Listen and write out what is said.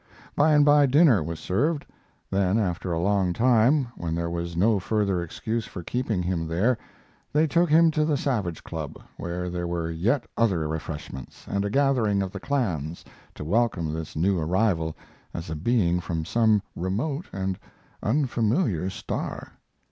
By and by dinner was served; then after a long time, when there was no further excuse for keeping him there, they took him to the Savage Club, where there were yet other refreshments and a gathering of the clans to welcome this new arrival as a being from some remote and unfamiliar star.